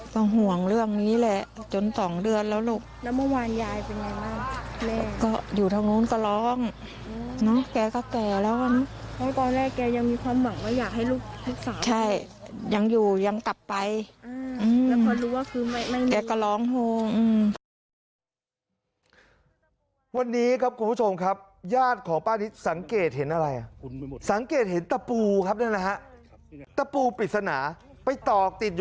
ก็ห่วงเรื่องนี้แหละจน๒เดือนแล้วลูกแล้วเมื่อวานยายเป็นไงบ้าง